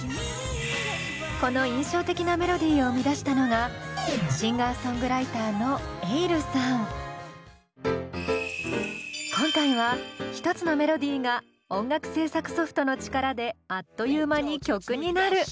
この印象的なメロディーを生み出したのがシンガーソングライターの今回は１つのメロディーが音楽制作ソフトの力であっという間に曲になる！